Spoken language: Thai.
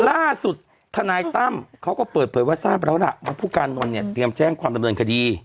ล่าสุดธนายตั้มเขาก็เปิดเผยว่าทราบแล้วล่ะว่าผู้การนนท์เนี่ยเตรียมแจ้งความดำเนินคดี